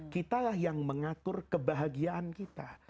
kitalah yang mengatur kebahagiaan kita